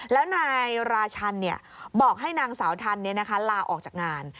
แล้วนายราชันบอกให้นางสาวทันลาออกจากงาน